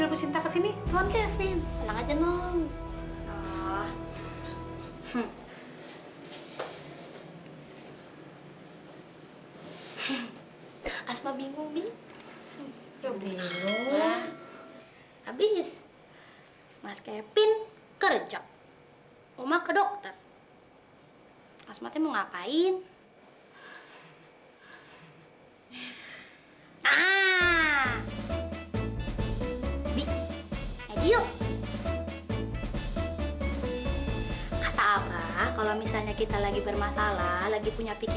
bapak jangan hubungi saya